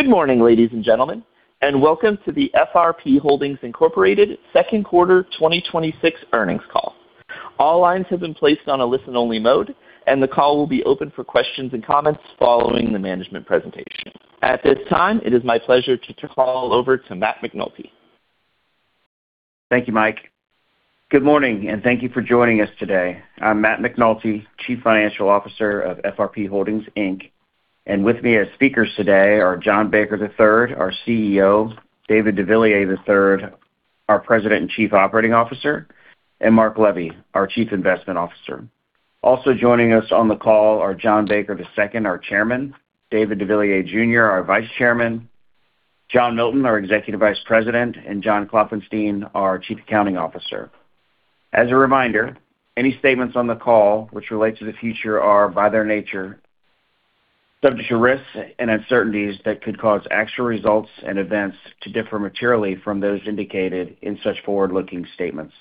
Good morning, ladies and gentlemen, and welcome to the FRP Holdings, Inc. Second Quarter 2026 Earnings Call. All lines have been placed on a listen-only mode, and the call will be open for questions and comments following the management presentation. At this time, it is my pleasure to turn the call over to Matt McNulty. Thank you, Mike. Good morning, and thank you for joining us today. I'm Matt McNulty, Chief Financial Officer of FRP Holdings, Inc. With me as speakers today are John Baker III, our CEO; David deVilliers III, our President and Chief Operating Officer; and Mark Levy, our Chief Investment Officer. Also joining us on the call are John Baker II, our Chairman; David deVilliers Jr., our Vice Chairman; John Milton, our Executive Vice President; and John Klopfenstein, our Chief Accounting Officer. As a reminder, any statements on the call which relate to the future are, by their nature, subject to risks and uncertainties that could cause actual results and events to differ materially from those indicated in such forward-looking statements.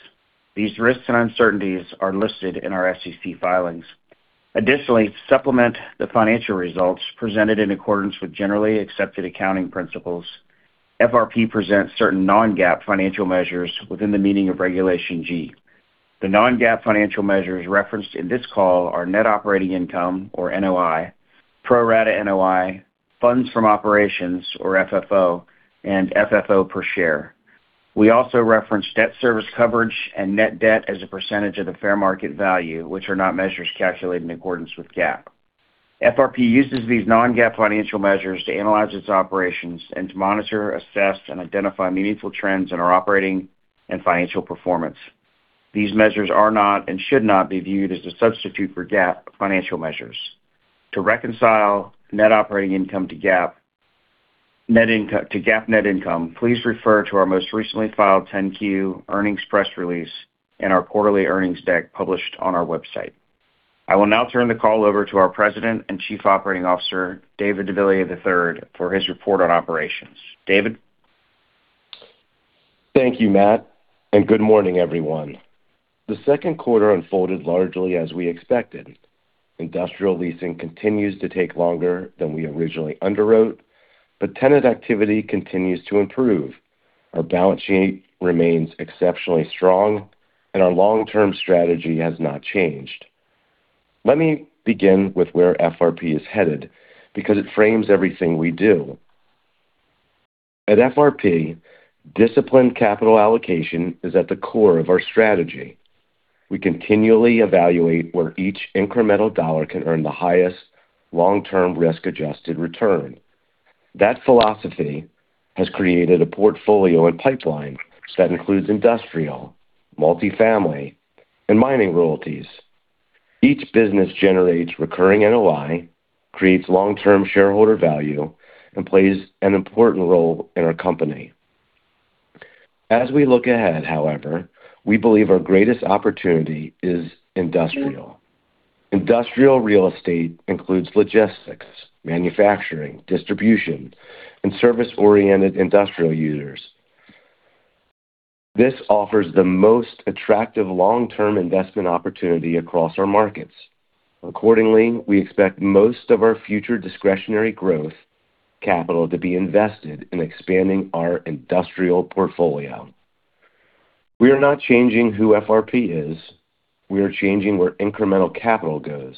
These risks and uncertainties are listed in our SEC filings. Additionally, to supplement the financial results presented in accordance with Generally Accepted Accounting Principles, FRP presents certain non-GAAP financial measures within the meaning of Regulation G. The non-GAAP financial measures referenced in this call are net operating income or NOI, pro forma NOI, funds from operations or FFO, and FFO per share. We also reference debt service coverage and net debt as a percentage of the fair market value, which are not measures calculated in accordance with GAAP. FRP uses these non-GAAP financial measures to analyze its operations and to monitor, assess, and identify meaningful trends in our operating and financial performance. These measures are not and should not be viewed as a substitute for GAAP financial measures. To reconcile net operating income to GAAP net income, please refer to our most recently filed 10-Q, earnings press release, and our quarterly earnings deck published on our website. I will now turn the call over to our President and Chief Operating Officer, David deVilliers III, for his report on operations. David. Thank you, Matt, and good morning, everyone. The second quarter unfolded largely as we expected. Industrial leasing continues to take longer than we originally underwrote, but tenant activity continues to improve. Our balance sheet remains exceptionally strong, and our long-term strategy has not changed. Let me begin with where FRP is headed, because it frames everything we do. At FRP, disciplined capital allocation is at the core of our strategy. We continually evaluate where each incremental dollar can earn the highest long-term risk-adjusted return. That philosophy has created a portfolio and pipeline that includes industrial, multifamily, and mining royalties. Each business generates recurring NOI, creates long-term, shareholder value, and plays an important role in our company. As we look ahead, however, we believe our greatest opportunity is industrial. Industrial real estate includes logistics, manufacturing, distribution, and service-oriented industrial users. This offers the most attractive long-term investment opportunity across our markets. Accordingly, we expect most of our future discretionary growth capital to be invested in expanding our industrial portfolio. We are not changing who FRP is; we are changing where incremental capital goes.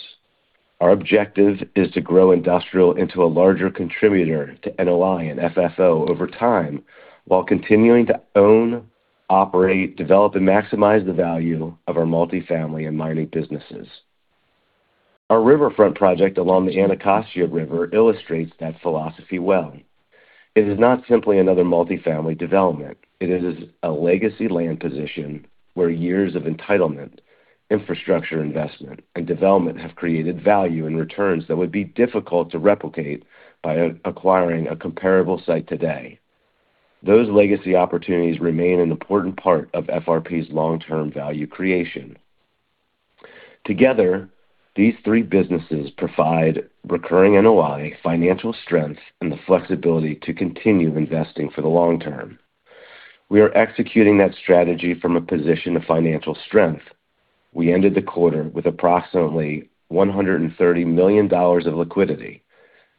Our objective is to grow industrial into a larger contributor to NOI and FFO over time while continuing to own, operate, develop, and maximize the value of our multifamily and mining businesses. Our riverfront project along the Anacostia River illustrates that philosophy well. It is not simply another multifamily development. It is a legacy land position where years of entitlement, infrastructure investment, and development have created value and returns that would be difficult to replicate by acquiring a comparable site today. Those legacy opportunities remain an important part of FRP's long-term value creation. Together, these three businesses provide recurring NOI, financial strength, and the flexibility to continue investing for the long term. We are executing that strategy from a position of financial strength. We ended the quarter with approximately $130 million of liquidity,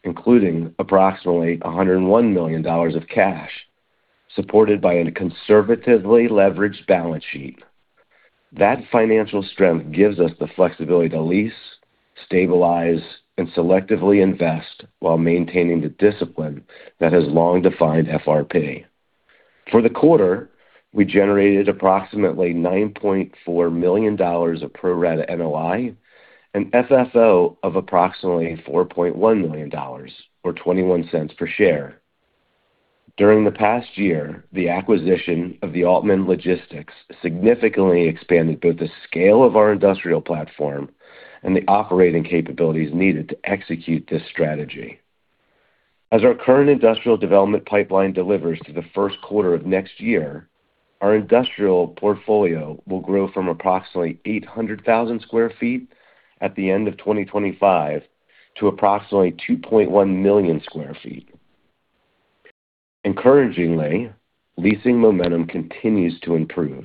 including approximately $101 million of cash, supported by a conservatively leveraged balance sheet. That financial strength gives us the flexibility to lease, stabilize, and selectively invest while maintaining the discipline that has long defined FRP. For the quarter, we generated approximately $9.4 million of pro forma NOI and FFO of approximately $4.1 million, or $0.21 per share. During the past year, the acquisition of the Altman Logistics significantly expanded both the scale of our industrial platform and the operating capabilities needed to execute this strategy. As our current industrial development pipeline delivers through the first quarter of next year, our industrial portfolio will grow from approximately 800,000 square feet at the end of 2025 to approximately 2.1 million square feet. Encouragingly, leasing momentum continues to improve.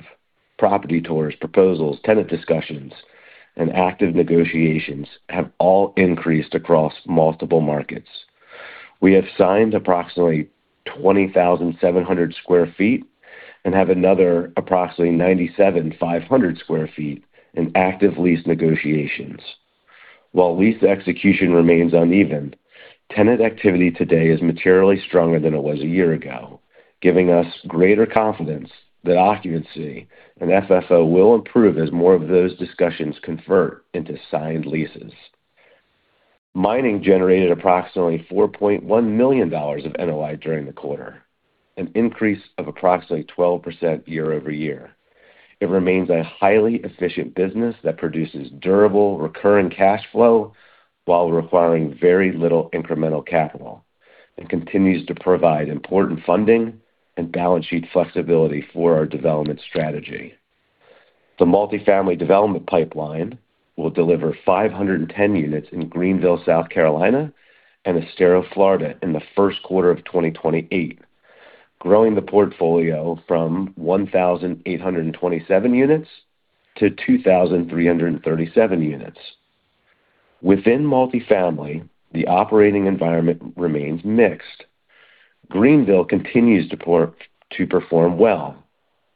Property tours, proposals, tenant discussions, and active negotiations have all increased across multiple markets. We have signed approximately 20,700 square feet and have another approximately 97,500 square feet in active lease negotiations. While lease execution remains uneven, tenant activity today is materially stronger than it was a year ago, giving us greater confidence that occupancy and FFO will improve as more of those discussions convert into signed leases. Mining generated approximately $4.1 million of NOI during the quarter, an increase of approximately 12% year-over-year. It remains a highly efficient business that produces durable recurring cash flow while requiring very little incremental capital and continues to provide important funding and balance sheet flexibility for our development strategy. The multifamily development pipeline will deliver 510 units in Greenville, South Carolina and Estero, Florida in the first quarter of 2028, growing the portfolio from 1,827 units to 2,337 units. Within multifamily, the operating environment remains mixed. Greenville continues to perform well,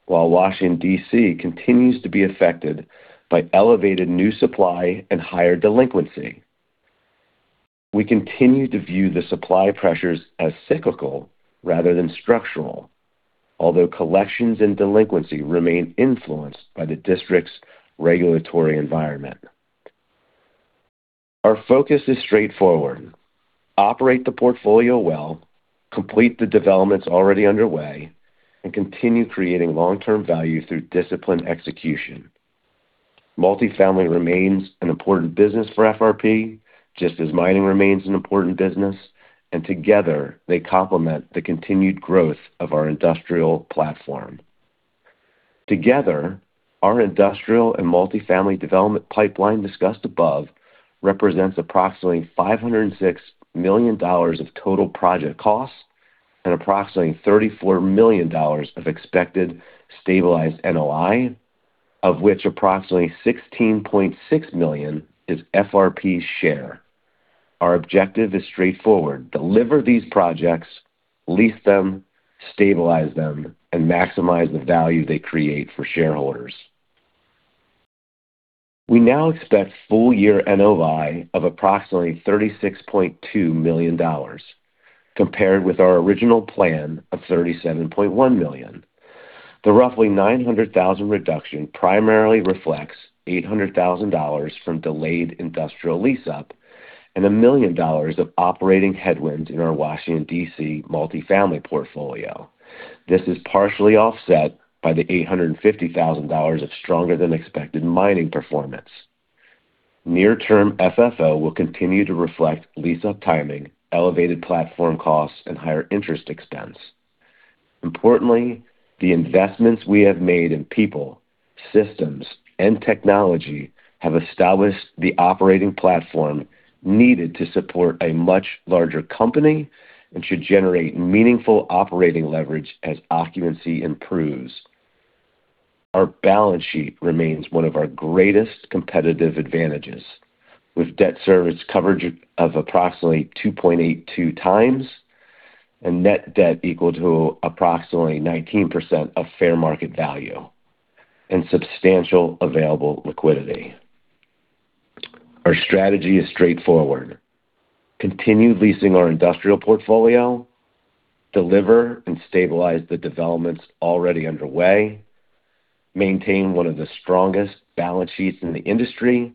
while Washington, D.C., continues to be affected by elevated new supply and higher delinquency. We continue to view the supply pressures as cyclical rather than structural, although collections and delinquency remain influenced by the District's regulatory environment. Our focus is straightforward: operate the portfolio well, complete the developments already underway, and continue creating long-term value through disciplined execution. Multifamily remains an important business for FRP, just as mining remains an important business, and together they complement the continued growth of our industrial platform. Together, our industrial and multifamily development pipeline discussed above represents approximately $506 million of total project costs and approximately $34 million of expected stabilized NOI, of which approximately $16.6 million is FRP's share. Our objective is straightforward: deliver these projects, lease them, stabilize them, and maximize the value they create for shareholders. We now expect full-year NOI of approximately $36.2 million, compared with our original plan of $37.1 million. The roughly $900,000 reduction primarily reflects $800,000 from delayed industrial lease-up and $1 million of operating headwinds in our Washington, D.C., multifamily portfolio. This is partially offset by the $850,000 of stronger than expected mining performance. Near term, FFO will continue to reflect lease-up timing, elevated platform costs, and higher interest expense. Importantly, the investments we have made in people, systems, and technology have established the operating platform needed to support a much larger company and should generate meaningful operating leverage as occupancy improves. Our balance sheet remains one of our greatest competitive advantages, with debt service coverage of approximately 2.82 times and net debt equal to approximately 19% of fair market value and substantial available liquidity. Our strategy is straightforward: continue leasing our industrial portfolio, deliver and stabilize the developments already underway, maintain one of the strongest balance sheets in the industry,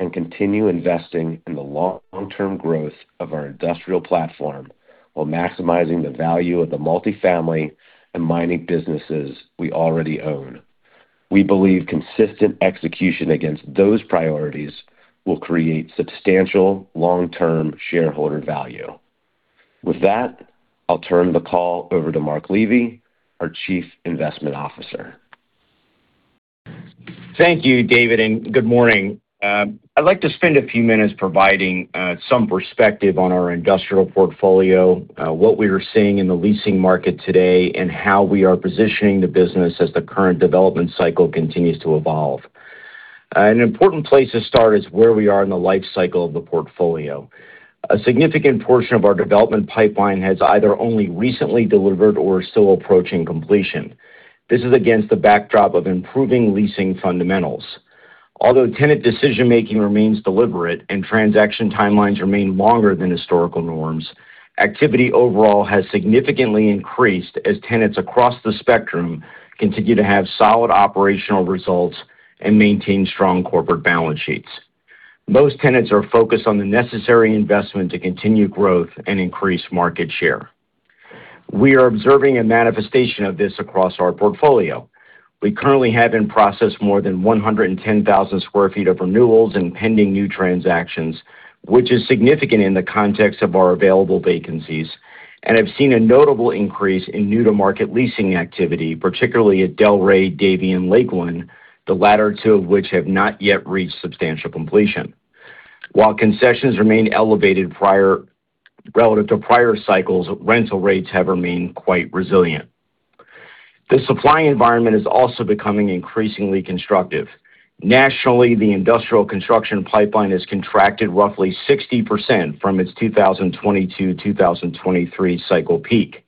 and continue investing in the long-term growth of our industrial platform while maximizing the value of the multifamily and mining businesses we already own. We believe consistent execution against those priorities will create substantial long-term shareholder value. With that, I'll turn the call over to Mark Levy, our Chief Investment Officer. Thank you, David, and good morning. I'd like to spend a few minutes providing some perspective on our industrial portfolio, what we are seeing in the leasing market today, and how we are positioning the business as the current development cycle continues to evolve. An important place to start is where we are in the life cycle of the portfolio. A significant portion of our development pipeline has either only recently delivered or is still approaching completion. This is against the backdrop of improving leasing fundamentals. Although tenant decision making remains deliberate and transaction timelines remain longer than historical norms, activity overall has significantly increased as tenants across the spectrum continue to have solid operational results and maintain strong corporate balance sheets. Most tenants are focused on the necessary investment to continue growth and increase market share. We are observing a manifestation of this across our portfolio. We currently have in process more than 110,000 square feet of renewals and pending new transactions, which is significant in the context of our available vacancies and have seen a notable increase in new-to-market leasing activity, particularly at Delray, Davie, and Lakeland, the latter two of which have not yet reached substantial completion. While concessions remain elevated relative to prior cycles, rental rates have remained quite resilient. The supply environment is also becoming increasingly constructive. Nationally, the industrial construction pipeline has contracted roughly 60% from its 2022, 2023 cycle peak.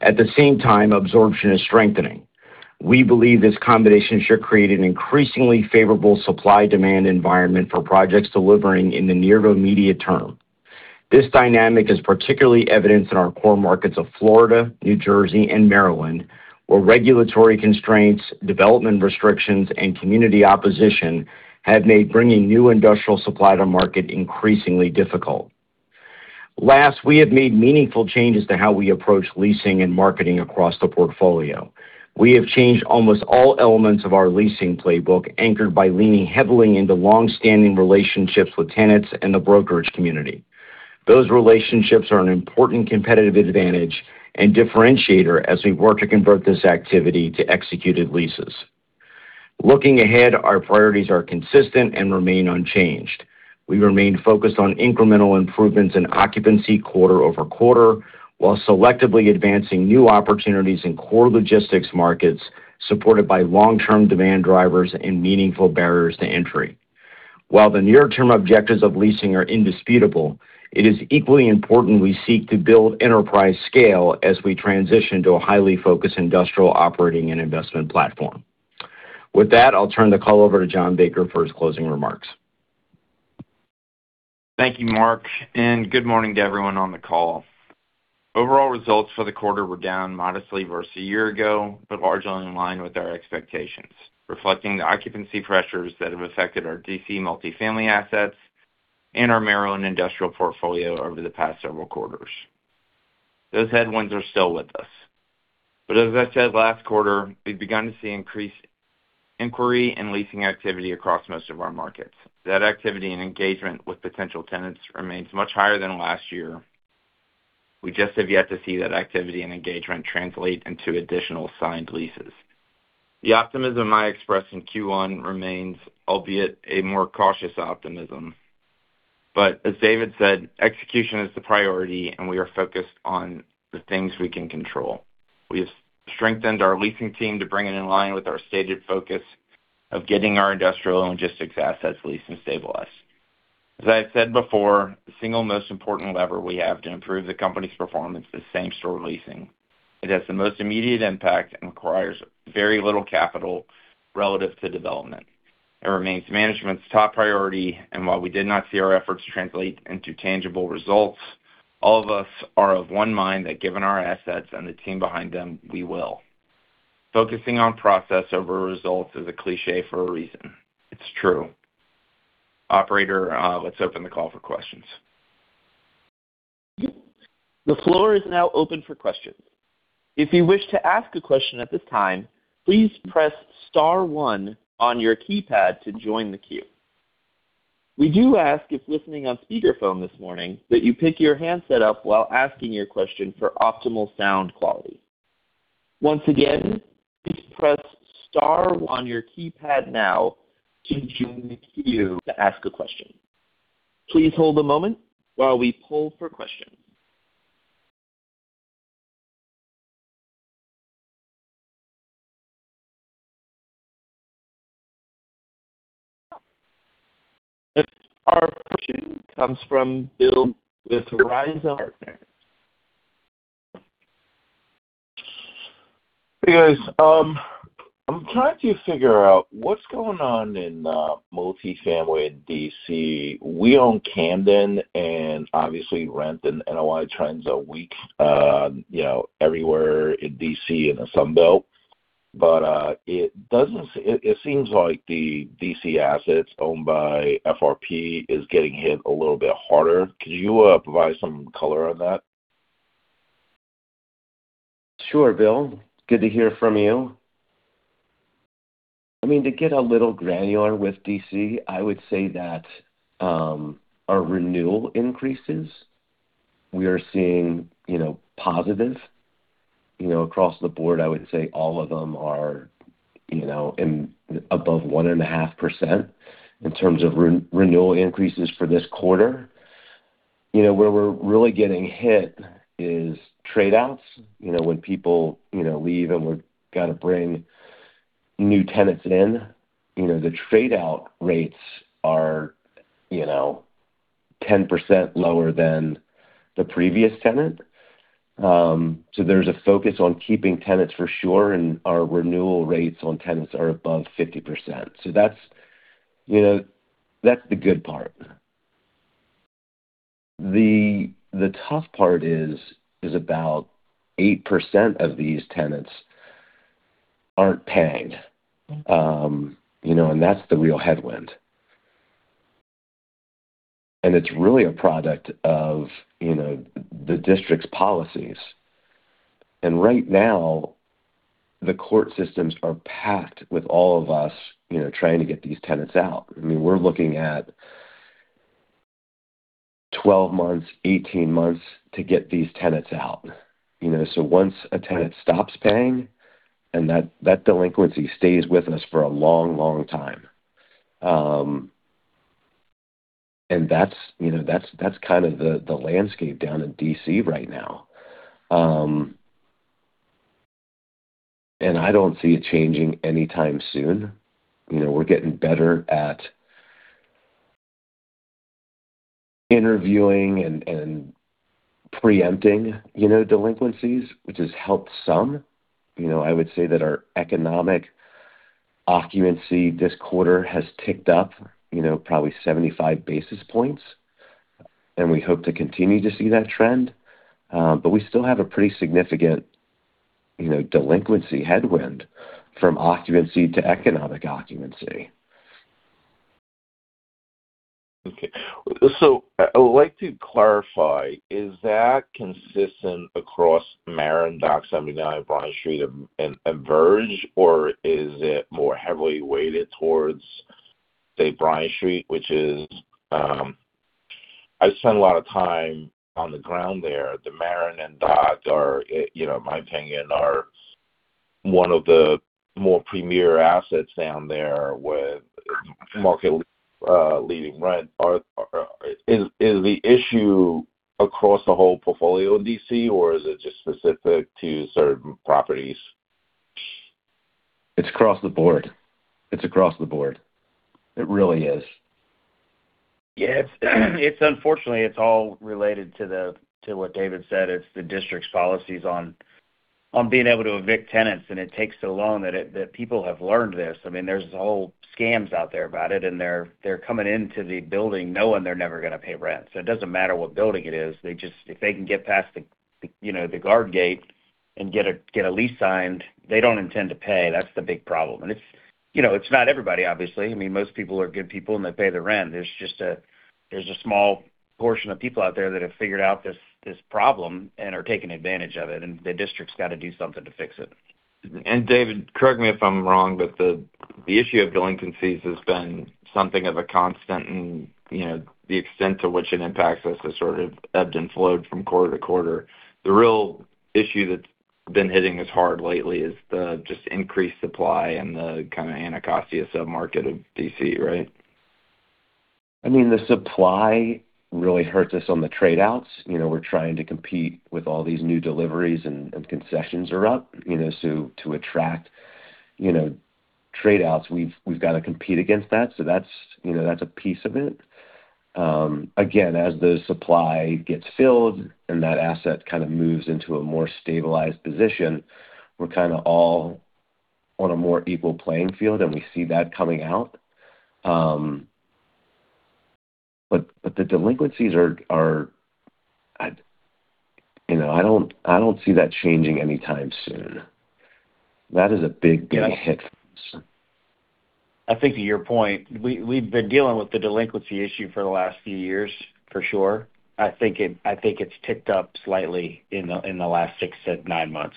At the same time, absorption is strengthening. We believe this combination should create an increasingly favorable supply-demand environment for projects delivering in the near to immediate term. This dynamic is particularly evident in our core markets of Florida, New Jersey, and Maryland, where regulatory constraints, development restrictions, and community opposition have made bringing new industrial supply to market increasingly difficult. Last, we have made meaningful changes to how we approach leasing and marketing across the portfolio. We have changed almost all elements of our leasing playbook, anchored by leaning heavily into longstanding relationships with tenants and the brokerage community. Those relationships are an important competitive advantage and differentiator as we work to convert this activity to executed leases. Looking ahead, our priorities are consistent and remain unchanged. We remain focused on incremental improvements in occupancy quarter-over-quarter, while selectively advancing new opportunities in core logistics markets, supported by long-term demand drivers and meaningful barriers to entry. While the near term objectives of leasing are indisputable, it is equally important we seek to build enterprise scale as we transition to a highly focused industrial operating and investment platform. With that, I'll turn the call over to John Baker for his closing remarks. Thank you, Mark, and good morning to everyone on the call. Overall results for the quarter were down modestly versus a year ago, but largely in line with our expectations, reflecting the occupancy pressures that have affected our D.C. multifamily assets and our Maryland industrial portfolio over the past several quarters. Those headwinds are still with us, but as I said last quarter, we've begun to see increased inquiry and leasing activity across most of our markets. That activity and engagement with potential tenants remains much higher than last year. We just have yet to see that activity and engagement translate into additional signed leases. The optimism I expressed in Q1 remains, albeit a more cautious optimism. As David said, execution is the priority, and we are focused on the things we can control. We have strengthened our leasing team to bring it in line with our stated focus of getting our industrial and logistics assets leased and stabilized. As I have said before, the single most important lever we have to improve the company's performance is same-store leasing. It has the most immediate impact and requires very little capital relative to development. It remains management's top priority, and while we did not see our efforts translate into tangible results, all of us are of one mind that given our assets and the team behind them, we will. Focusing on process over results is a cliché for a reason; it's true. Operator, let's open the call for questions. The floor is now open for questions. If you wish to ask a question at this time, please press star one on your keypad to join the queue. We do ask, if listening on speakerphone this morning, that you pick your handset up while asking your question for optimal sound quality. Once again, please press star one on your keypad now to join the queue to ask a question. Please hold a moment while we poll for questions. Our first question comes from Bill with Horizon Partners. Hey, guys. I'm trying to figure out what's going on in multifamily in D.C. We own Camden, obviously rent and NOI trends are weak everywhere in D.C., in the Sun Belt. It seems like the D.C. assets owned by FRP is getting hit a little bit harder. Could you provide some color on that? Sure, Bill. Good to hear from you. To get a little granular with D.C., I would say that our renewal increases—we are seeing positive across the board. I would say all of them are above 1.5% in terms of renewal increases for this quarter. Where we're really getting hit is trade-outs. When people leave and we've got to bring new tenants in, the trade-out rates are 10% lower than the previous tenant. There's a focus on keeping tenants, for sure, and our renewal rates on tenants are above 50%. That's the good part. The tough part is about 8% of these tenants aren't paying; that's the real headwind. It's really a product of the district's policies. Right now, the court systems are packed with all of us trying to get these tenants out. We're looking at 12 months, 18 months to get these tenants out. Once a tenant stops paying, that delinquency stays with us for a long time. That's kind of the landscape down in D.C. right now. I don't see it changing anytime soon. We're getting better at interviewing and preempting delinquencies, which has helped some. I would say that our economic occupancy this quarter has ticked up, probably 75 basis points; we hope to continue to see that trend. We still have a pretty significant delinquency headwind from occupancy to economic occupancy. I would like to clarify, is that consistent across Marin, Dock79, Bryant Street, and Verge, or is it more heavily weighted towards, say, Bryant Street? I spend a lot of time on the ground there. The Marin and Dock, in my opinion, are one of the more premier assets down there with market-leading rent. Is the issue across the whole portfolio in D.C., or is it just specific to certain properties? It's across the board. It really is. Yeah. Unfortunately, it's all related to what David said. It's the district's policies on being able to evict tenants, and it takes so long that people have learned this. There's whole scams out there about it, and they're coming into the building knowing they're never going to pay rent. It doesn't matter what building it is. If they can get past the guard gate and get a lease signed, they don't intend to pay. That's the big problem. It's not everybody, obviously. Most people are good people, and they pay the rent. There's a small portion of people out there that have figured out this problem and are taking advantage of it, and the district's got to do something to fix it. David, correct me if I'm wrong, but the issue of delinquencies has been something of a constant, and the extent to which it impacts us has sort of ebbed and flowed from quarter to quarter. The real issue that's been hitting us hard lately is the just increased supply in the kind of Anacostia sub-market of D.C., right? The supply really hurts us on the trade-outs. We're trying to compete with all these new deliveries, and concessions are up. To attract trade-outs, we've got to compete against that. That's a piece of it. Again, as the supply gets filled and that asset kind of moves into a more stabilized position, we're kind of all on a more equal playing field, and we see that coming out. The delinquencies—I don't see that changing anytime soon. That is a big hit for us. I think to your point, we've been dealing with the delinquency issue for the last few years for sure. I think it's ticked up slightly in the last six to nine months.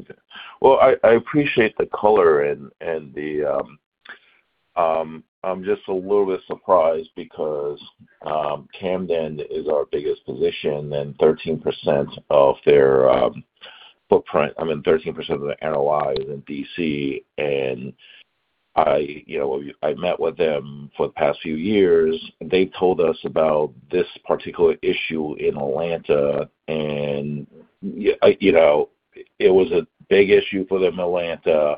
Okay. Well, I appreciate the color, I'm just a little bit surprised because Camden is our biggest position, 13% of their NOI is in D.C. I've met with them for the past few years, they told us about this particular issue in Atlanta, it was a big issue for them in Atlanta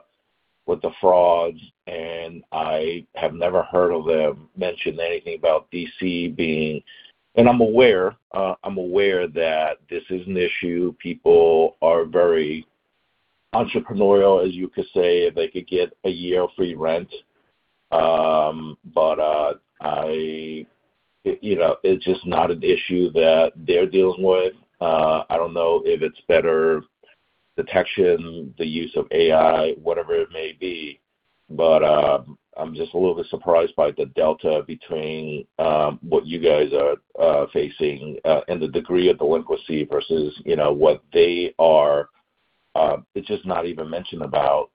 with the frauds, I have never heard of them mention anything about D.C. being. I'm aware that this is an issue. People are very entrepreneurial, as you could say, if they could get a year of free rent. It's just not an issue that they're dealing with. I don't know if it's better detection, the use of AI, whatever it may be, I'm just a little bit surprised by the delta between what you guys are facing and the degree of delinquency versus what they are. It's just not even mentioned about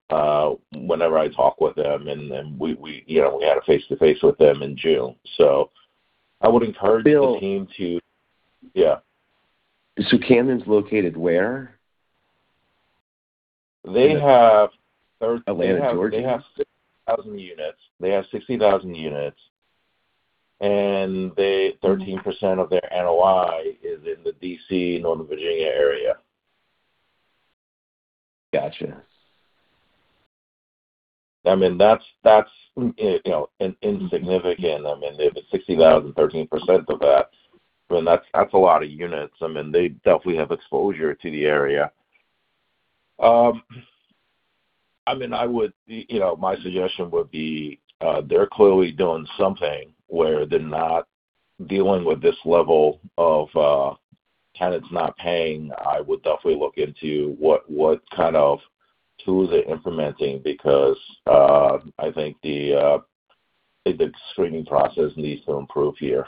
whenever I talk with them, we had a face-to-face with them in June. I would encourage the team to. Camden's located where? They have- Atlanta, Georgia? They have 60,000 units, 13% of their NOI is in the D.C., Northern Virginia area. Got you. That's insignificant. They have a 60,000, 13% of that's a lot of units. They definitely have exposure to the area. My suggestion would be, they're clearly doing something where they're not dealing with this level of tenants not paying. I would definitely look into what kind of tools they're implementing because I think the screening process needs to improve here.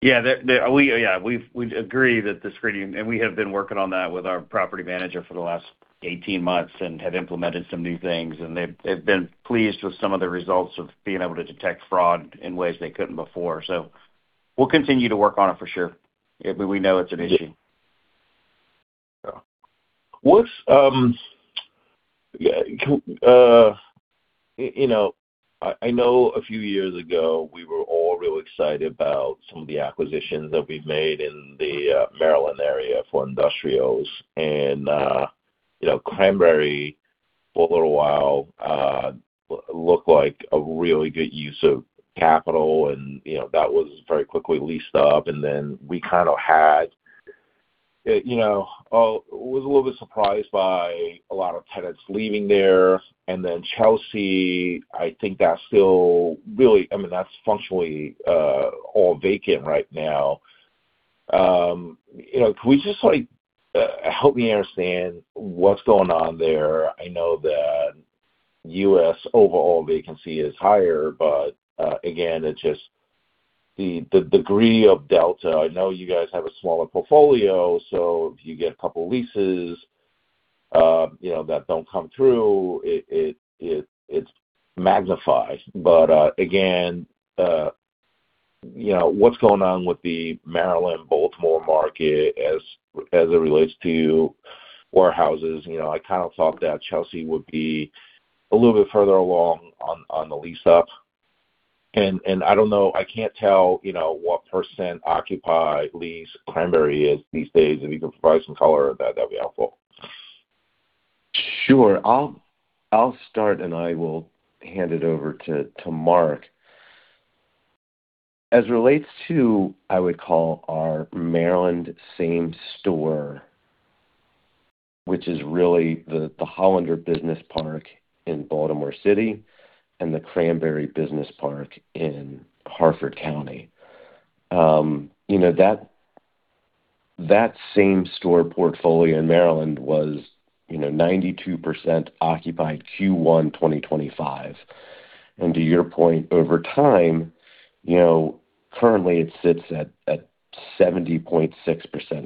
Yeah. We agree that the screening, we have been working on that with our property manager for the last 18 months and have implemented some new things, they've been pleased with some of the results of being able to detect fraud in ways they couldn't before. We'll continue to work on it for sure. We know it's an issue. Yeah. I know a few years ago, we were all real excited about some of the acquisitions that we made in the Maryland area for industrials. Cranberry, for a little while, looked like a really good use of capital. That was very quickly leased up. Then we were a little bit surprised by a lot of tenants leaving there. Then Chelsea, I think that's still really, I mean, that's functionally all vacant right now. Can we just like, help me understand what's going on there. I know that U.S. overall vacancy is higher, again, it's just the degree of delta. I know you guys have a smaller portfolio, so if you get a couple leases that don't come through, it's magnified. Again, what's going on with the Maryland, Baltimore market as it relates to warehouses? I kind of thought that Chelsea would be a little bit further along on the lease up. I don't know, I can't tell what percent occupied lease Cranberry is these days. If you can provide some color on that'd be helpful. Sure. I'll start, and I will hand it over to Mark. As relates to, I would call our Maryland same store, which is really the Hollander Business Park in Baltimore City and the Cranberry Business Park in Harford County. That same store portfolio in Maryland was 92% occupied Q1 2025. To your point, over time, currently it sits at 70.6%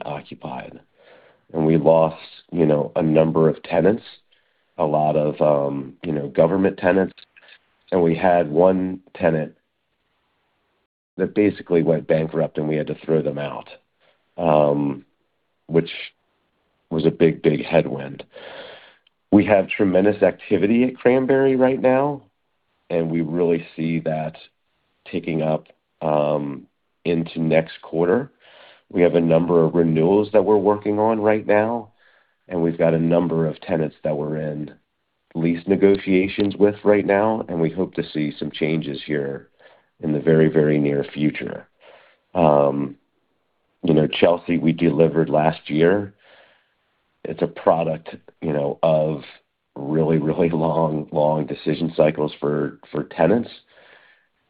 occupied. We lost a number of tenants, a lot of government tenants. We had one tenant that basically went bankrupt, and we had to throw them out, which was a big, big headwind. We have tremendous activity at Cranberry right now, and we really see that ticking up into next quarter. We have a number of renewals that we're working on right now, and we've got a number of tenants that we're in lease negotiations with right now, and we hope to see some changes here in the very, very near future. Chelsea, we delivered last year. It's a product of really, really long, long decision cycles for tenants.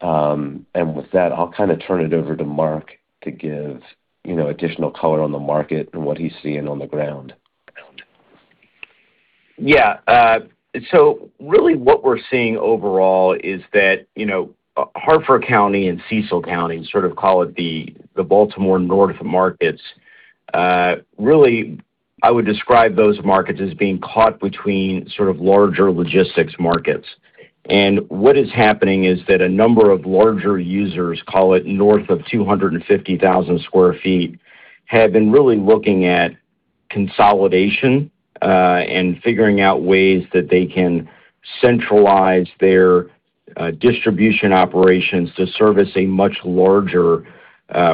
With that, I'll kind of turn it over to Mark to give additional color on the market and what he's seeing on the ground. Yeah. Really what we're seeing overall is that Harford County and Cecil County—sort of call it the Baltimore north markets—really, I would describe those markets as being caught between sort of larger logistics markets. What is happening is that a number of larger users, call it north of 250,000 sq ft, have been really looking at consolidation, and figuring out ways that they can centralize their distribution operations to service a much larger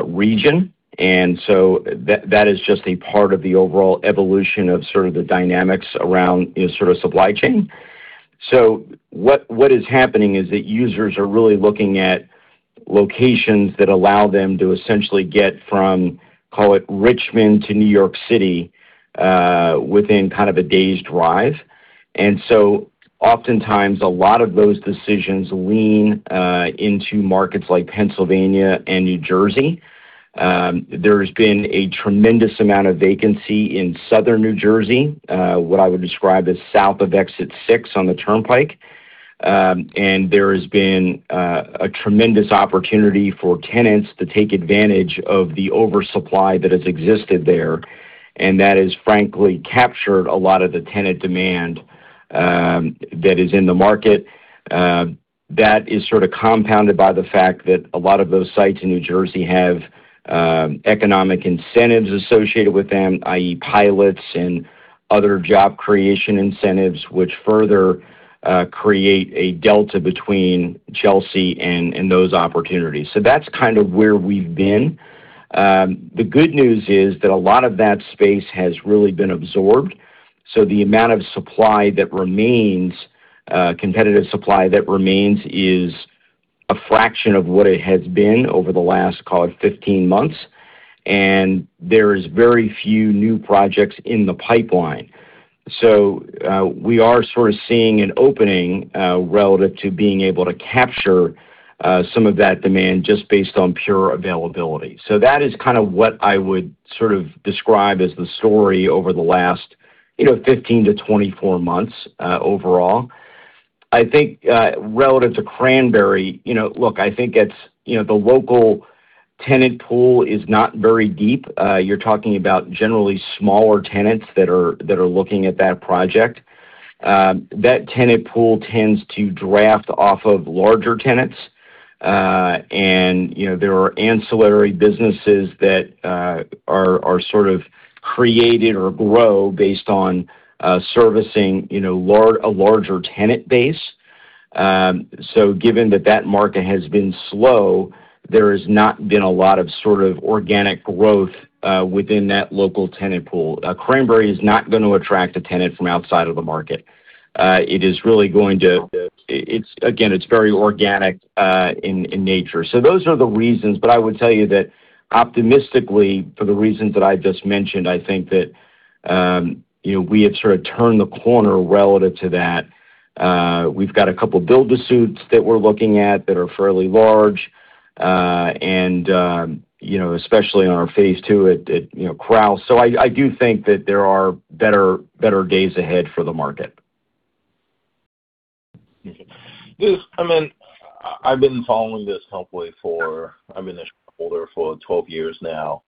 region. That is just a part of the overall evolution of sort of the dynamics around sort of supply chain. What is happening is that users are really looking at locations that allow them to essentially get from, call it Richmond to New York City, within kind of a day's drive. Oftentimes, a lot of those decisions lean into markets like Pennsylvania and New Jersey. There's been a tremendous amount of vacancy in Southern New Jersey, what I would describe as south of Exit 6 on the turnpike. There has been a tremendous opportunity for tenants to take advantage of the oversupply that has existed there. That has frankly captured a lot of the tenant demand that is in the market. That is sort of compounded by the fact that a lot of those sites in New Jersey have economic incentives associated with them, i.e. PILOTs and other job creation incentives, which further create a delta between Chelsea and those opportunities. That's kind of where we've been. The good news is that a lot of that space has really been absorbed. The amount of supply that remains—competitive supply that remains—is a fraction of what it has been over the last, call it 15 months; there is very few new projects in the pipeline. We are sort of seeing an opening relative to being able to capture some of that demand just based on pure availability. That is kind of what I would sort of describe as the story over the last 15 to 24 months overall. I think relative to Cranberry, look, I think the local tenant pool is not very deep. You're talking about generally smaller tenants that are looking at that project. That tenant pool tends to draft off of larger tenants. There are ancillary businesses that are sort of created or grow based on servicing a larger tenant base. Given that that market has been slow, there has not been a lot of organic growth within that local tenant pool. Cranberry is not going to attract a tenant from outside of the market. Again, it's very organic in nature. Those are the reasons. I would tell you that optimistically, for the reasons that I just mentioned, I think that we have sort of turned the corner relative to that. We've got a couple build-to-suits that we're looking at that are fairly large, especially in our phase II at Crouse. I do think that there are better days ahead for the market. Okay. I've been following this company for, I've been a shareholder for 12 years now,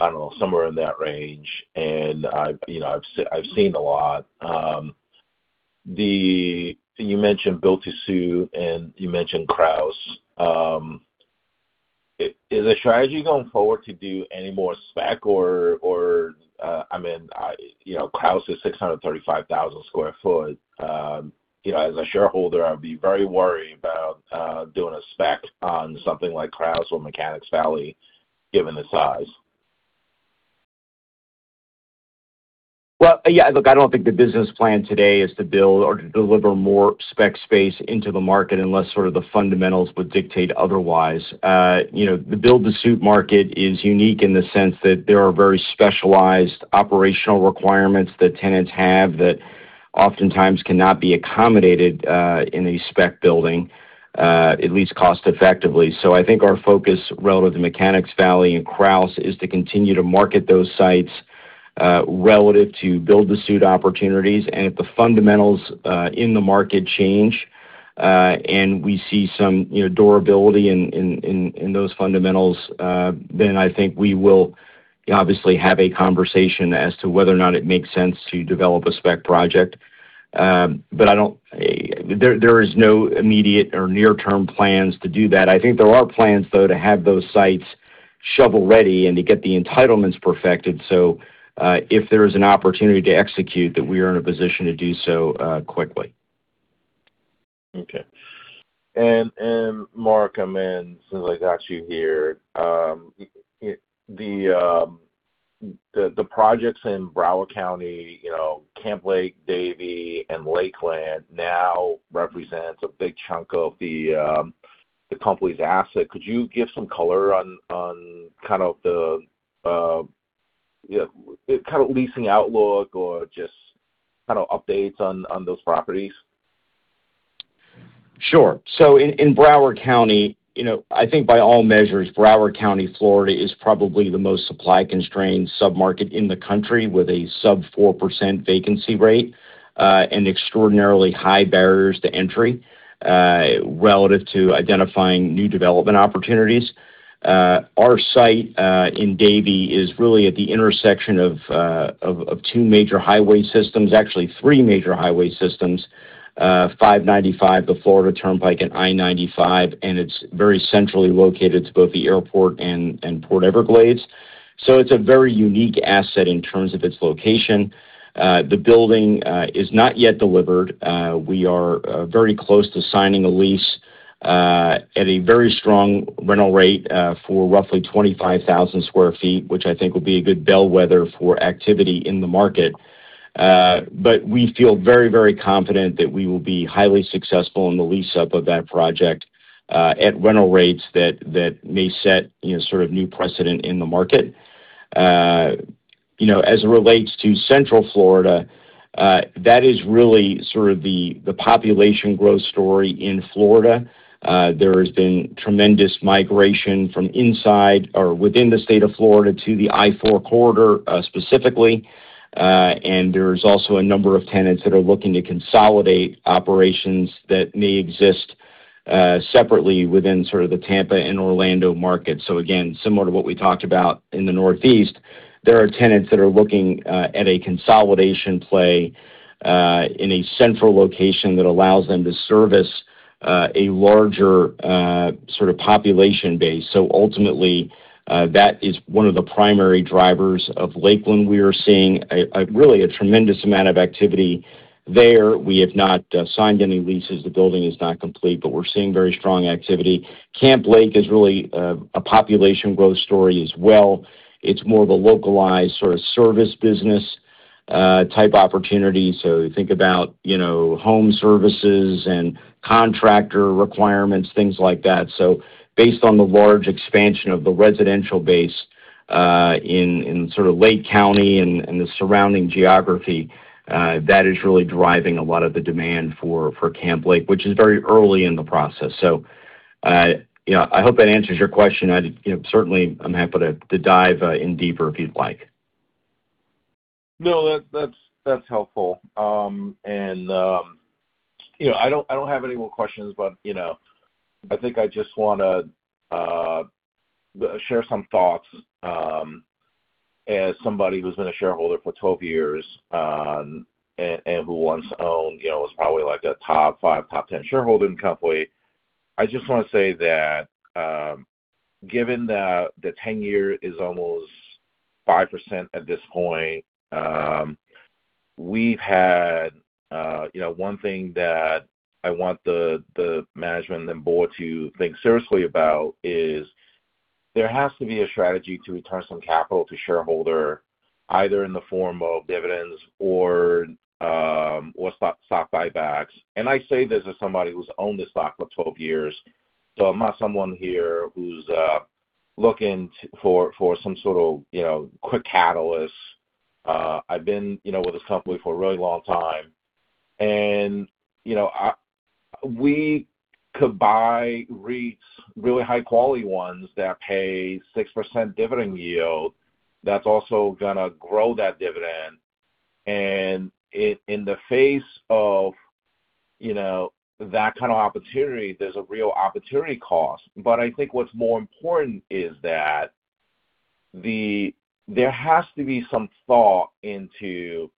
I don't know, somewhere in that range, I've seen a lot. You mentioned build-to-suit and you mentioned Crouse. Is the strategy going forward to do any more spec? Crouse is 635,000 square foot. As a shareholder, I'd be very worried about doing a spec on something like Crouse or Mechanics Valley given the size. Well, I don't think the business plan today is to build or to deliver more spec space into the market unless the fundamentals would dictate otherwise. The build-to-suit market is unique in the sense that there are very specialized operational requirements that tenants have that oftentimes cannot be accommodated in a spec building, at least cost effectively. I think our focus relative to Mechanics Valley and Crouse is to continue to market those sites relative to build-to-suit opportunities. If the fundamentals in the market change, and we see some durability in those fundamentals, then I think we will obviously have a conversation as to whether or not it makes sense to develop a spec project. There is no immediate or near-term plans to do that. I think there are plans, though, to have those sites shovel-ready and to get the entitlements perfected. If there is an opportunity to execute, that we are in a position to do so quickly. Okay. Mark, since I've got you here; the projects in Broward County, Camp Lake, Davie, and Lakeland now represents a big chunk of the company's asset. Could you give some color on kind of the leasing outlook or just updates on those properties? Sure. In Broward County—I think by all measures, Broward County, Florida, is probably the most supply-constrained sub-market in the country, with a sub 4% vacancy rate, and extraordinarily high barriers to entry relative to identifying new development opportunities. Our site in Davie is really at the intersection of two major highway systems—actually three major highway systems; 595, the Florida Turnpike, and I95—and it's very centrally located to both the airport and Port Everglades. So it's a very unique asset in terms of its location. The building is not yet delivered. We are very close to signing a lease at a very strong rental rate for roughly 25,000 square feet, which I think will be a good bellwether for activity in the market. We feel very confident that we will be highly successful in the lease-up of that project at rental rates that may set sort of new precedent in the market. As it relates to Central Florida, that is really sort of the population growth story in Florida. There has been tremendous migration from inside or within the state of Florida to the I-4 corridor specifically. There's also a number of tenants that are looking to consolidate operations that may exist separately within sort of the Tampa and Orlando markets. Again, similar to what we talked about in the Northeast, there are tenants that are looking at a consolidation play in a central location that allows them to service a larger sort of population base. Ultimately, that is one of the primary drivers of Lakeland. We are seeing really a tremendous amount of activity there. We have not signed any leases. The building is not complete, but we're seeing very strong activity. Camp Lake is really a population growth story as well. It's more of a localized sort of service-business-type opportunity. Think about home services and contractor requirements, things like that. Based on the large expansion of the residential base in sort of Lake County and the surrounding geography, that is really driving a lot of the demand for Camp Lake, which is very early in the process. I hope that answers your question. Certainly, I'm happy to dive in deeper if you'd like. No, that's helpful. I don't have any more questions, but I think I just want to share some thoughts as somebody who's been a shareholder for 12 years and who once owned—was probably like a top-5, top-10 shareholder in the company. I just want to say that, given that the 10-year is almost 5% at this point, one thing that I want the management and board to think seriously about is there has to be a strategy to return some capital to shareholder, either in the form of dividends or stock buybacks. I say this as somebody who's owned the stock for 12 years, so I'm not someone here who's looking for some sort of quick catalyst. I've been with this company for a really long time. We could buy REITs—really high-quality ones that pay 6% dividend yield—that's also going to grow that dividend. In the face of that kind of opportunity, there's a real opportunity cost. I think what's more important is that there has to be some thought into,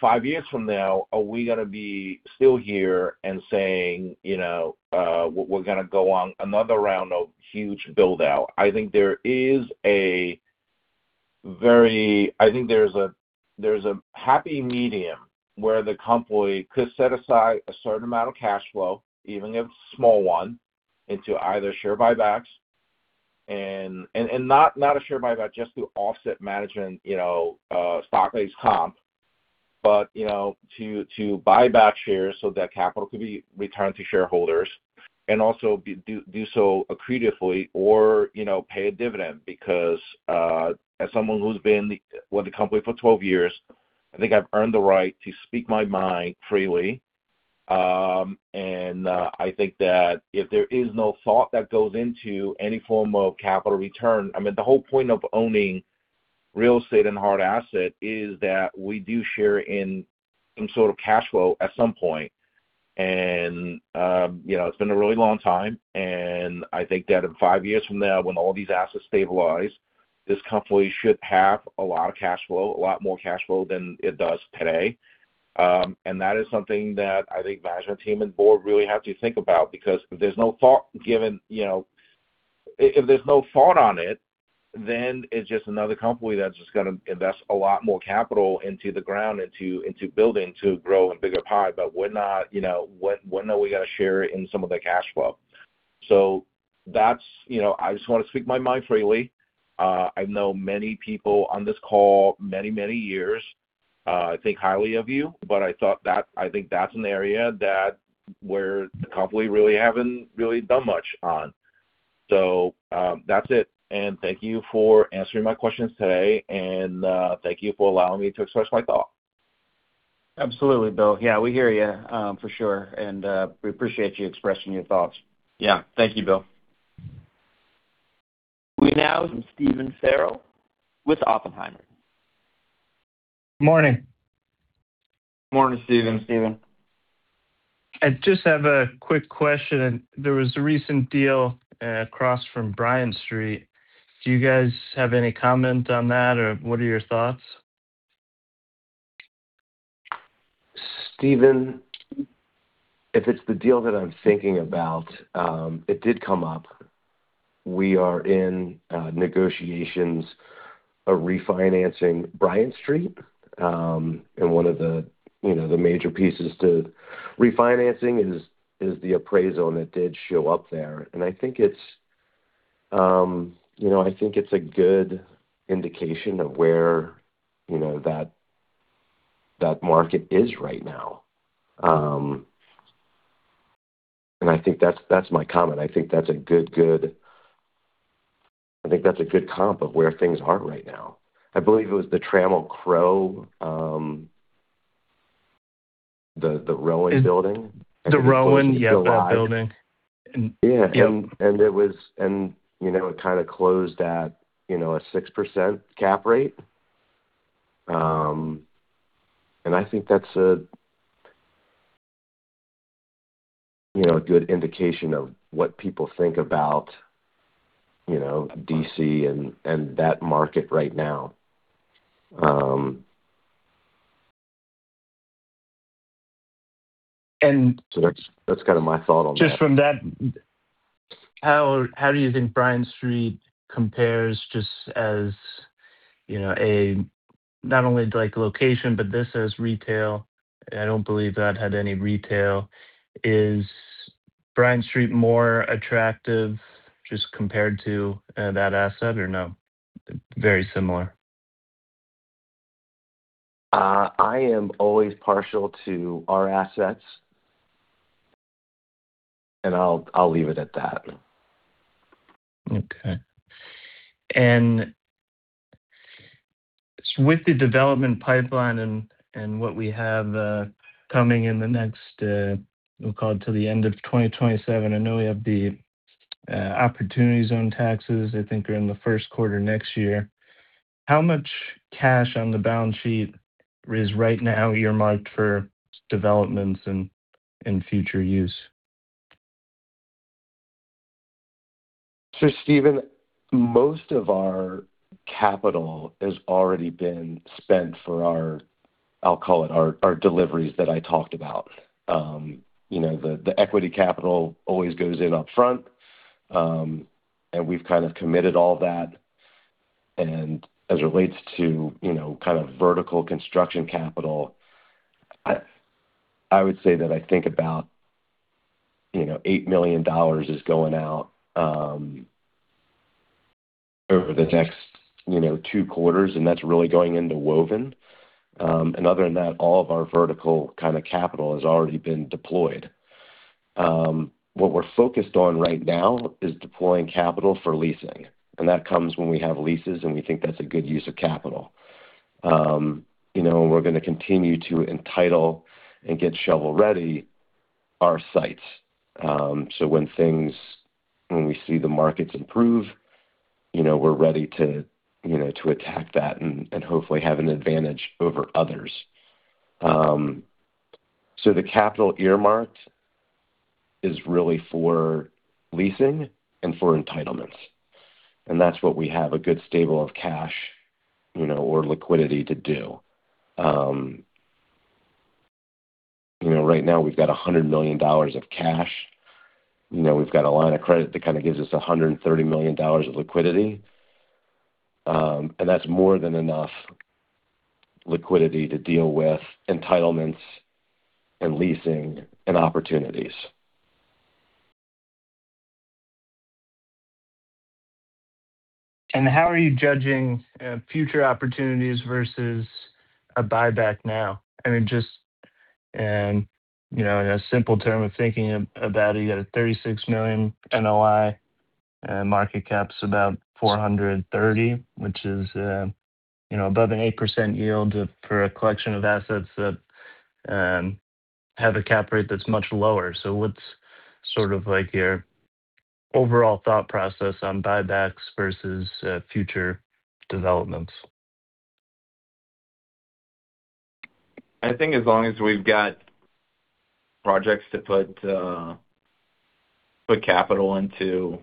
five years from now, are we going to be still here and saying we're going to go on another round of huge build-out? I think there's a happy medium where the company could set aside a certain amount of cash flow, even if it's a small one, into either share buybacks.—not a share buyback just to offset management stock-based comp, but to buy back shares so that capital could be returned to shareholders. Also do so accretively or pay a dividend because, as someone who's been with the company for 12 years, I think I've earned the right to speak my mind freely. I think that if there is no thought that goes into any form of capital return, the whole point of owning real estate and hard asset is that we do share in some sort of cash flow at some point. It's been a really long time, and I think that in five years from now, when all these assets stabilize, this company should have a lot of cash flow, a lot more cash flow than it does today. That is something that I think management team and board really have to think about because if there's no thought on it, then it's just another company that's just going to invest a lot more capital into the ground, into building, to grow a bigger pie, but when are we going to share in some of the cash flow? I just want to speak my mind freely. I know many people on this call many, many years. I think highly of you, but I think that's an area where the company really haven't really done much on. That's it. Thank you for answering my questions today, and thank you for allowing me to express my thoughts. Absolutely, Bill. We hear you, for sure, we appreciate you expressing your thoughts. Thank you, Bill. We now have Steven Ferro with Oppenheimer. Morning. Morning, Steven. Steven. I just have a quick question. There was a recent deal across from Bryant Street. Do you guys have any comment on that? Or, what are your thoughts? Steven, if it's the deal that I'm thinking about, it did come up. We are in negotiations of refinancing Bryant Street. One of the major pieces to refinancing is the appraisal, and it did show up there. I think it's a good indication of where that market is right now. I think that's my comment. I think that's a good comp of where things are right now. I believe it was the Trammell Crow, the Rowan building. The Rowan, yeah, the building. Yeah. It kind of closed at a 6% cap rate. I think that's a good indication of what people think about D.C. and that market right now. And- That's kind of my thought on that. Just from that, how do you think Bryant Street compares just as a, not only like location, but this as retail. I don't believe that had any retail. Is Bryant Street more attractive just compared to that asset or no? Very similar. I am always partial to our assets, I'll leave it at that. With the development pipeline and what we have coming in the next, we'll call it till the end of 2027, I know we have the Opportunity Zone taxes, I think, are in the first quarter next year. How much cash on the balance sheet is right now earmarked for developments and future use? Steven, most of our capital has already been spent for our, I'll call it, our deliveries that I talked about. The equity capital always goes in upfront, and we've kind of committed all that. As it relates to vertical construction capital, I would say that I think about $8 million is going out over the next two quarters, and that's really going into Woven. Other than that, all of our vertical kind of capital has already been deployed. What we're focused on right now is deploying capital for leasing, and that comes when we have leases and we think that's a good use of capital. We're going to continue to entitle and get shovel-ready our sites. When we see the markets improve, we're ready to attack that and hopefully have an advantage over others. The capital earmarked is really for leasing and for entitlements, and that's what we have a good stable of cash or liquidity to do. Right now we've got $100 million of cash. We've got a line of credit that kind of gives us $130 million of liquidity. That's more than enough liquidity to deal with entitlements and leasing and opportunities. How are you judging future opportunities versus a buyback now? Just in a simple term of thinking about it, you've got a $36 million NOI, market cap's about $430 million, which is above an 8% yield for a collection of assets that have a cap rate that's much lower. What's sort of like your overall thought process on buybacks versus future developments? I think as long as we've got projects to put capital into,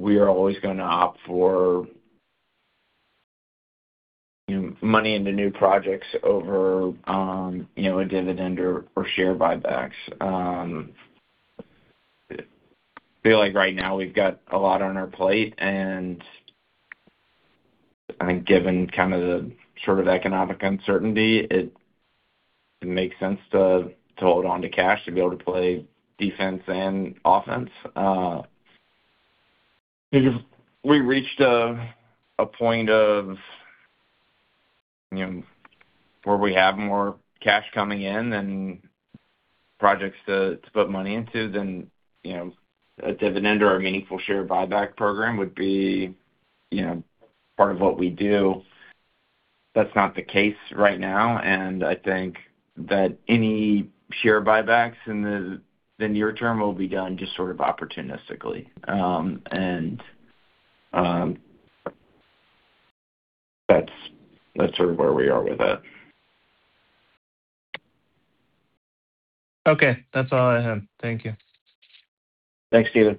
we are always going to opt for money into new projects over a dividend or share buybacks. I feel like right now we've got a lot on our plate and I think given kind of the sort of economic uncertainty, it makes sense to hold onto cash to be able to play defense and offense. If we reached a point of where we have more cash coming in than projects to put money into then, a dividend or a meaningful share buyback program would be part of what we do. That's not the case right now, and I think that any share buybacks in the near term will be done just sort of opportunistically. That's sort of where we are with it. Okay. That's all I have. Thank you. Thanks, Steven.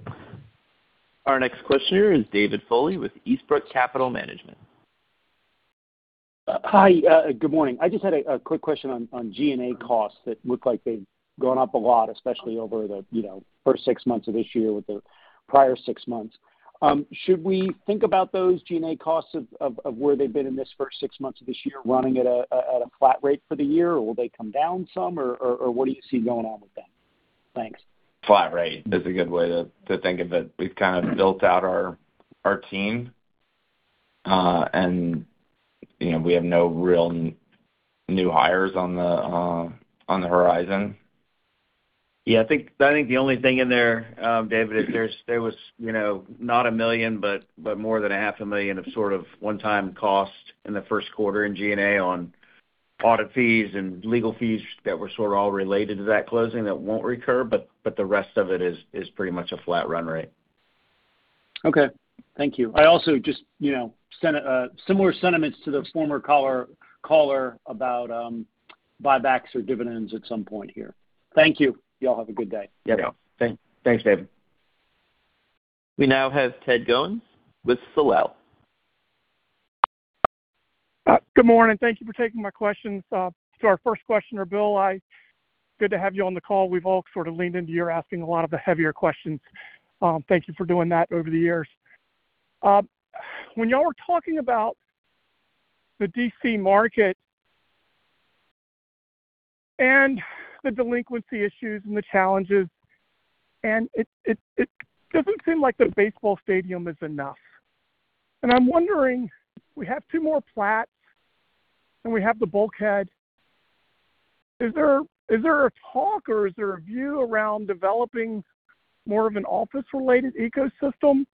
Our next questioner is David Foley with Estabrook Capital Management. Hi, good morning. I just had a quick question on G&A costs that look like they've gone up a lot, especially over the first six months of this year with the prior six months. Should we think about those G&A costs of where they've been in this first six months of this year running at a flat rate for the year, or will they come down some, or what do you see going on with that? Thanks. Flat rate is a good way to think of it. We've kind of built out our team, and we have no real new hires on the horizon. I think the only thing in there, David, is there was not $1 million, but more than a half a million of sort of one-time cost in the first quarter in G&A on audit fees and legal fees that were sort of all related to that closing that won't recur, but the rest of it is pretty much a flat run rate. Okay. Thank you. I also just similar sentiments to the former caller about buybacks or dividends at some point here. Thank you. Y'all have a good day. Yep. Thanks, David. We now have Ted Goans with Soleil. Good morning. Thank you for taking my questions. To our first questioner, Bill, good to have you on the call. We've all sort of leaned into you asking a lot of the heavier questions. Thank you for doing that over the years. When y'all were talking about the D.C. market and the delinquency issues and the challenges, it doesn't seem like the baseball stadium is enough. I'm wondering, we have two more plats, and we have the bulkhead. Is there a talk or is there a view around developing more of an office-related ecosystem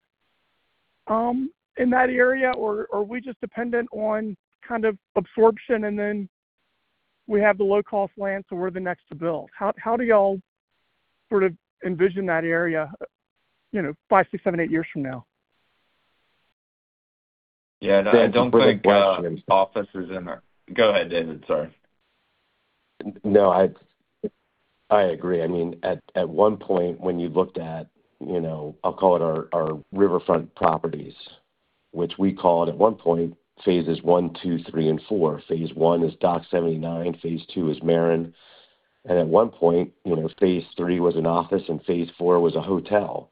in that area, or are we just dependent on kind of absorption and then we have the low-cost land, so we're the next to build? How do y'all sort of envision that area five, six, seven, eight years from now? Yeah. I don't think offices. Go ahead, David. Sorry. No, I agree. At one point when you looked at, I will call it our riverfront properties, which we called at one point phases one, two, three, and four. Phase one is Dock 79, phase two is Marin. At one point, phase three was an office, and phase four was a hotel.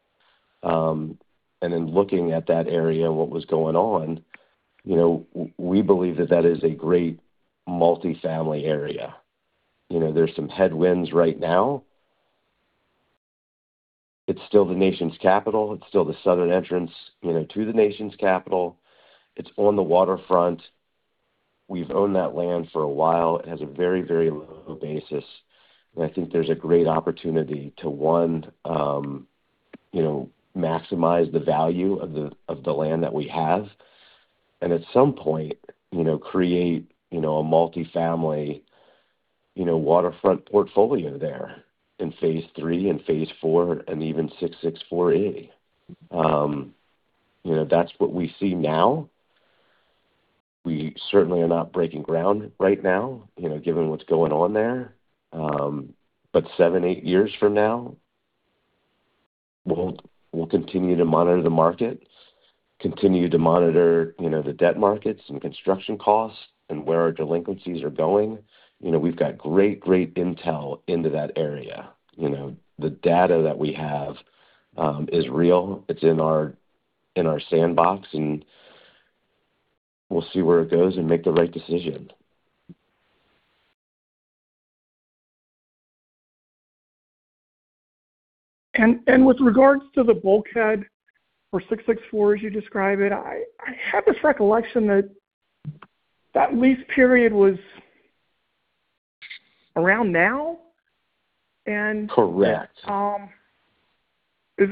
Looking at that area and what was going on, we believe that that is a great multifamily area. There is some headwinds right now. It is still the nation's capital. It is still the southern entrance to the nation's capital. It is on the waterfront. We have owned that land for a while. It has a very low basis, and I think there is a great opportunity to, one, maximize the value of the land that we have, and at some point, create a multifamily waterfront portfolio there in phase three and phase four, and even 664A. That is what we see now. We certainly are not breaking ground right now, given what is going on there. Seven, eight years from now, we will continue to monitor the market, continue to monitor the debt markets and construction costs and where our delinquencies are going. We have got great intel into that area. The data that we have is real. It is in our sandbox, and we will see where it goes and make the right decision. With regards to the bulkhead for 664, as you describe it, I have this recollection that that lease period was around now? Correct Do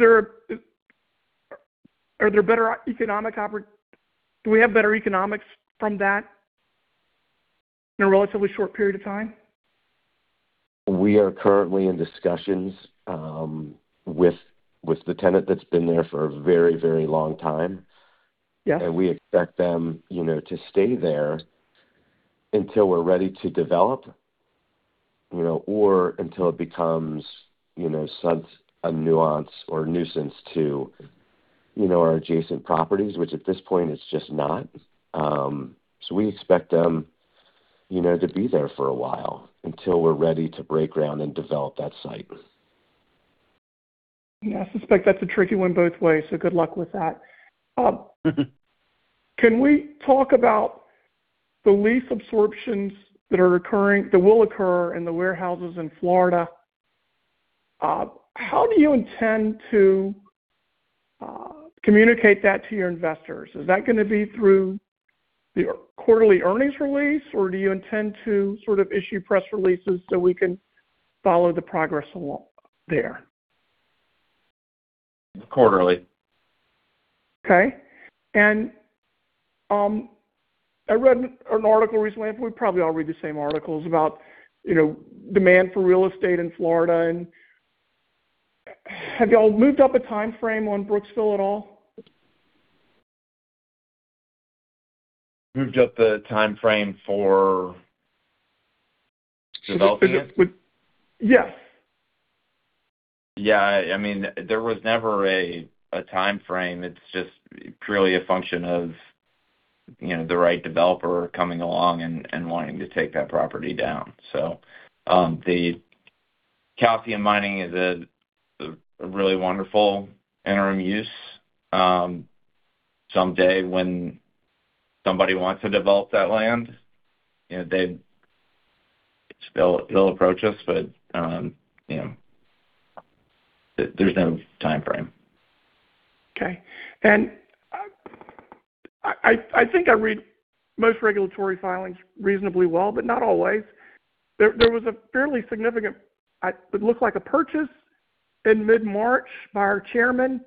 we have better economics from that in a relatively short period of time? We are currently in discussions with the tenant that's been there for a very long time. Yeah. We expect them to stay there until we're ready to develop, or until it becomes a nuisance to our adjacent properties, which at this point, it's just not. We expect them to be there for a while until we're ready to break ground and develop that site. Yeah, I suspect that's a tricky one both ways. Good luck with that. Can we talk about the lease absorptions that will occur in the warehouses in Florida? How do you intend to communicate that to your investors? Is that going to be through your quarterly earnings release, or do you intend to sort of issue press releases so we can follow the progress along there? Quarterly. Okay. I read an article recently, we probably all read the same articles about demand for real estate in Florida, have y'all moved up a timeframe on Brooksville at all? Moved up the timeframe for development? Yes. Yeah. There was never a timeframe. It's just purely a function of the right developer coming along and wanting to take that property down. The calcium mining is a really wonderful interim use. Someday when somebody wants to develop that land, they'll approach us. There's no timeframe. Okay. I think I read most regulatory filings reasonably well, but not always. There was a fairly significant, it looked like a purchase in mid-March by our chairman.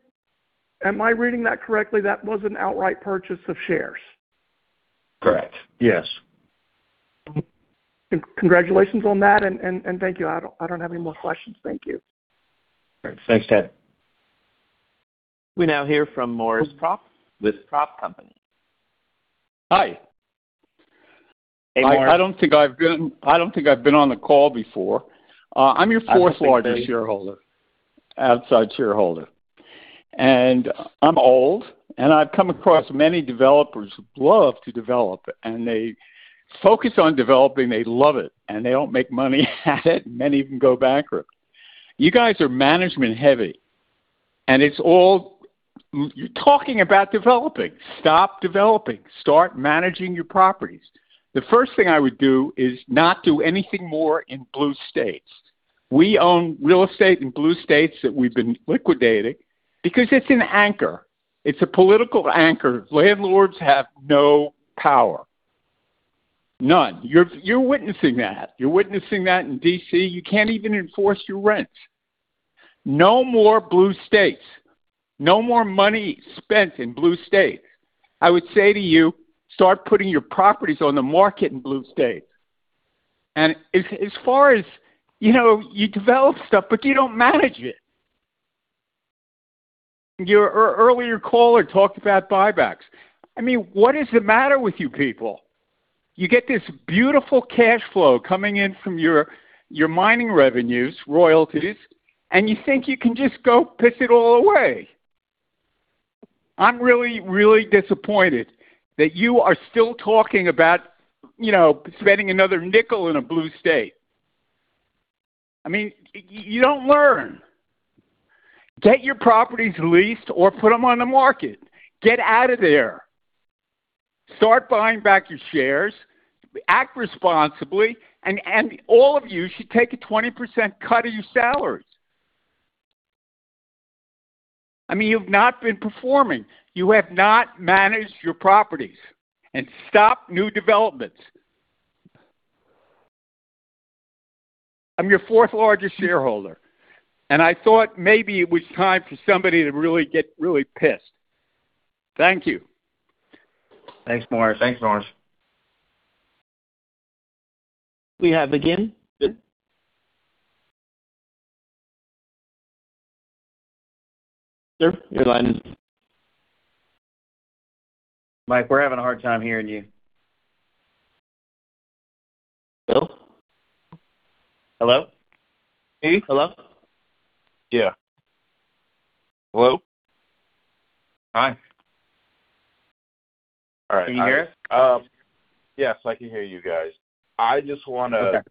Am I reading that correctly? That was an outright purchase of shares. Correct. Yes. Congratulations on that, and thank you. I don't have any more questions. Thank you. Thanks, Ted. We now hear from Morris Propp with Propp Company. Hi. Hey, Morris. I don't think I've been on the call before. I'm your fourth-largest shareholder—outside shareholder. I'm old, and I've come across many developers who love to develop, and they focus on developing. They love it, and they don't make money at it. Many even go bankrupt. You guys are management-heavy, and you're talking about developing. Stop developing. Start managing your properties. The first thing I would do is not do anything more in blue states. We own real estate in blue states that we've been liquidating because it's an anchor. It's a political anchor. Landlords have no power None. You're witnessing that. You're witnessing that in D.C. You can't even enforce your rent. No more blue states, no more money spent in blue states. I would say to you: start putting your properties on the market in blue states. As far as, you develop stuff, but you don't manage it. Your earlier caller talked about buybacks. What is the matter with you people? You get this beautiful cash flow coming in from your mining revenues, royalties, and you think you can just go piss it all away. I'm really, really disappointed that you are still talking about spending another nickel in a blue state. You don't learn. Get your properties leased or put them on the market. Get out of there. Start buying back your shares, act responsibly, and all of you should take a 20% cut of your salaries. You've not been performing. You have not managed your properties. Stop new developments. I'm your fourth largest shareholder, and I thought maybe it was time for somebody to really get really pissed. Thank you. Thanks, Morris. Thanks, Morris. We have again. Mike, we're having a hard time hearing you. Bill? Hello? Can you hear us? Yes, I can hear you guys. Okay.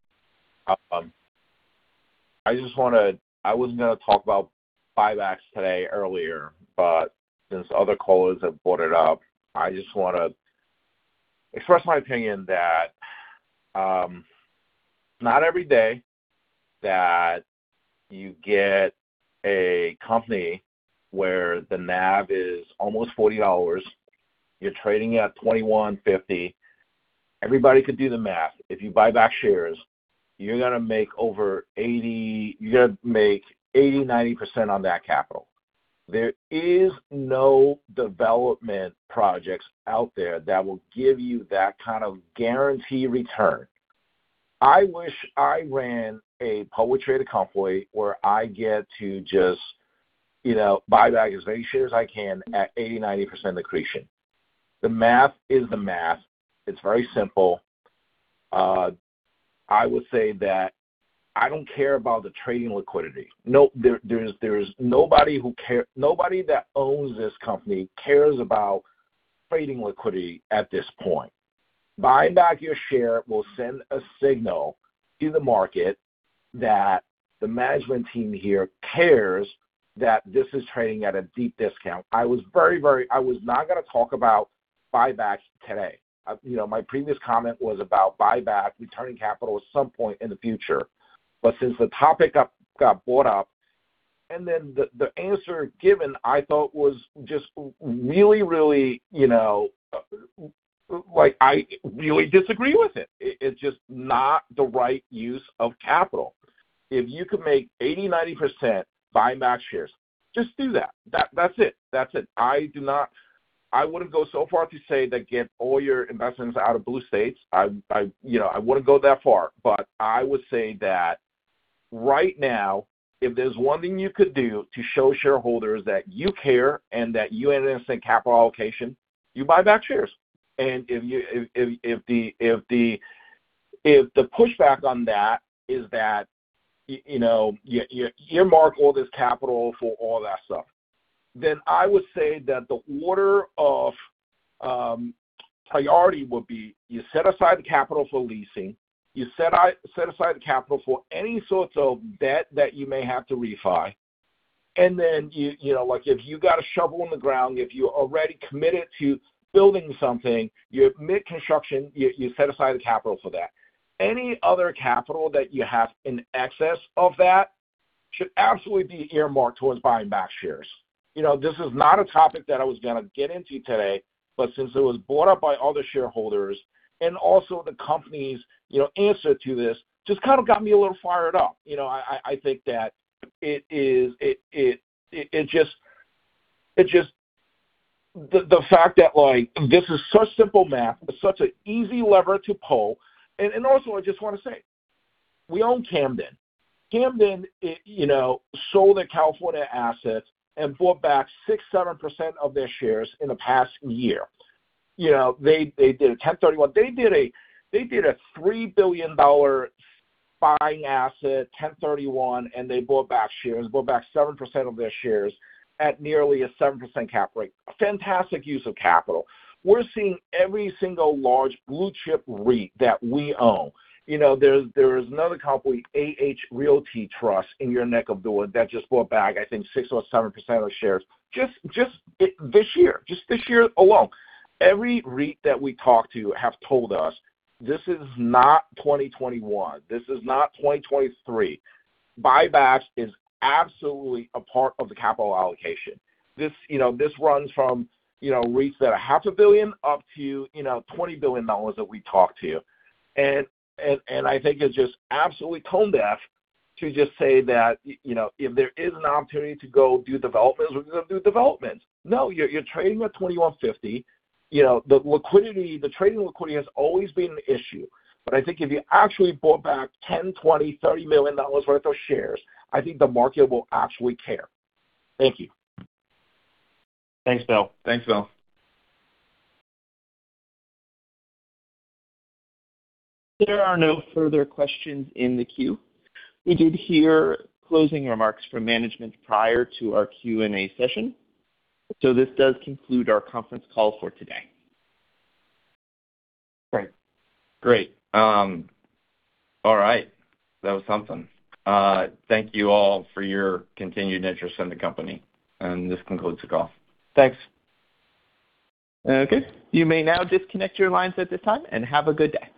I wasn't going to talk about buybacks today earlier. Since other callers have brought it up, I just want to express my opinion that it's not every day that you get a company where the NAV is almost $40. You're trading at $21.50. Everybody could do the math. If you buy back shares, you're going to make 80%-90% on that capital. There is no development projects out there that will give you that kind of guaranteed return. I wish I ran a publicly traded company where I get to just buy back as many shares I can at 80%-90% accretion. The math is the math. It's very simple. I would say that I don't care about the trading liquidity. Nobody that owns this company cares about trading liquidity at this point. Buying back your share will send a signal to the market that the management team here cares that this is trading at a deep discount. I was not going to talk about buyback today. My previous comment was about buyback, returning capital at some point in the future. Since the topic got brought up, the answer given, I thought, I really disagree with it. It's just not the right use of capital. If you could make 80%-90% buying back shares, just do that. That's it. I wouldn't go so far to say that get all your investments out of blue states. I wouldn't go that far. I would say that right now, if there's one thing you could do to show shareholders that you care and that you understand capital allocation, you buy back shares. If the pushback on that is that you earmark all this capital for all that stuff, I would say that the order of priority would be you set aside the capital for leasing, you set aside the capital for any sorts of debt that you may have to refi. If you got a shovel in the ground, if you're already committed to building something, you're mid-construction, you set aside the capital for that. Any other capital that you have in excess of that should absolutely be earmarked towards buying back shares. This is not a topic that I was going to get into today. Since it was brought up by other shareholders—and also the company's answer to this just got me a little fired up—I think that the fact that this is such simple math, such an easy lever to pull. I just want to say, we own Camden. Camden sold their California assets and bought back 6% or 7% of their shares in the past year. They did a 1031. They did a $3 billion buying asset 1031, and they bought back shares, bought back 7% of their shares at nearly a 7% cap rate. Fantastic use of capital. We're seeing every single large blue chip REIT that we own. There's another company, AH Realty Trust, in your neck of the wood that just bought back, I think 6% or 7% of the shares just this year alone. Every REIT that we talk to have told us, this is not 2021. This is not 2023. Buybacks is absolutely a part of the capital allocation. This runs from REITs that are half a billion up to $20 billion that we talk to. I think it's just absolutely tone deaf to just say that if there is an opportunity to go do developments, we're going to do developments. No, you're trading at $21.50. The trading liquidity has always been an issue. I think if you actually bought back $10 million, $20 million, $30 million worth of shares, I think the market will actually care. Thank you. Thanks, Bill. Thanks, Bill. There are no further questions in the queue. We did hear closing remarks from management prior to our Q&A session. This does conclude our conference call for today. Great. All right. That was something. Thank you all for your continued interest in the company, and this concludes the call. Thanks. Okay. You may now disconnect your lines at this time, and have a good day.